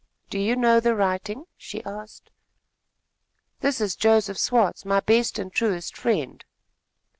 "Do you know the writing?" she asked. "This is Joseph Swartz, my best and truest friend."